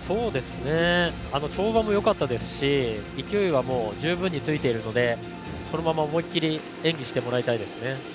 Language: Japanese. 跳馬もよかったですし勢いが十分についているのでこのまま思い切り演技してもらいたいですね。